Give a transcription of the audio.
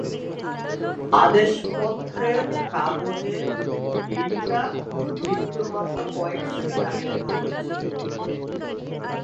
আদেশপত্রের কাগজে বিলটা মৃত্যুর মাত্র কয়েক সেকেন্ড আগে লেখা হয়েছিল।